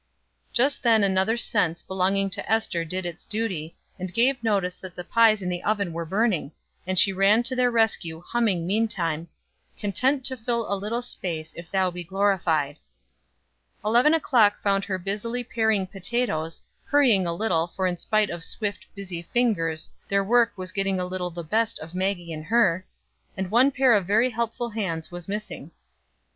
Just then another sense belonging to Ester did its duty, and gave notice that the pies in the oven were burning; and she ran to their rescue, humming meantime: "Content to fill a little space If thou be glorified." Eleven o'clock found her busily paring potatoes hurrying a little, for in spite of swift, busy fingers their work was getting a little the best of Maggie and her, and one pair of very helpful hands was missing.